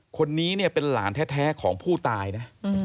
คนนี้เนี่ยเป็นหลานแท้ของผู้ตายนะ